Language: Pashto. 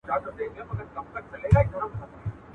چي شپه تېره سي، خبره هېره سي.